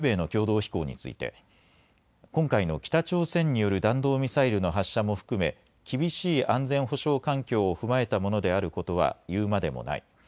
防衛省は日米の共同飛行について今回の北朝鮮による弾道ミサイルの発射も含め厳しい安全保障環境を踏まえたものであることは言うまでもない。